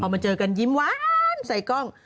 มาเจอกันยิ้มหวานใส่กล้อง